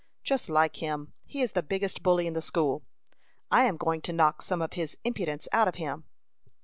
"Just like him. He is the biggest bully in the school." "I am going to knock some of his impudence out of him."